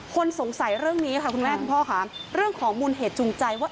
คนสงสัยเรื่องนี้ค่ะคุณแม่คุณพ่อค่ะเรื่องของมูลเหตุจูงใจว่า